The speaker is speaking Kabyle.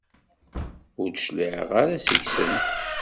Ur d-tecliɛeḍ ara seg-sen.